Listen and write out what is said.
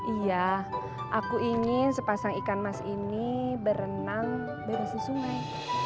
iya aku ingin sepasang ikan mas ini berenang berisi sungai